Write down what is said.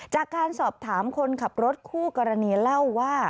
จากการสอบถามคนขับรถคู่กรณีเล่าว่า